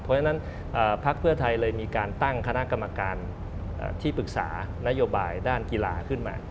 เพราะฉะนั้นพักเพื่อไทยเลยมีการตั้งคณะกรรมการที่ปรึกษานโยบายด้านกีฬาขึ้นมา